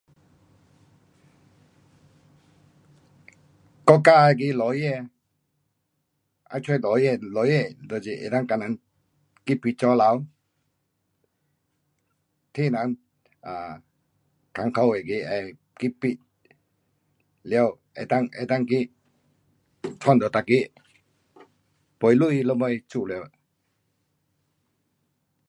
国家那个 lawyer, 要找 lawyer，lawyer 在这能够跟人去 bicara，替人啊，困苦那个会去 bi，完，能够能够去弄到每个赔钱那个做了。